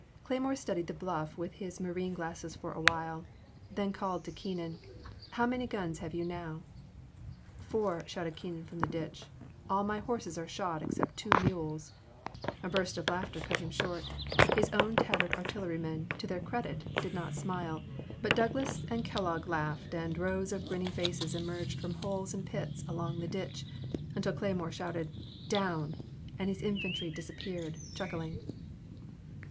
Cleymore studied the bluff with his marine glasses for awhile, then called to Keenan: How many guns have you now ?"Four," shouted Keenan from the ditch; all my horses are shot except two mules " A burst of laughter cut him short — ^his own tattered artil lerymen, to their credit, did not smile, but Doug las and Kellogg laughed and rows of grinning faces emerged from holes and pits along the ditch until Cleymore shouted, Down !" and his infan try disappeared, chuckling.